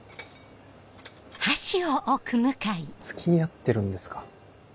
付き合ってるんですか？